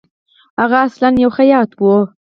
هغه اصلاً یو خیاط وو.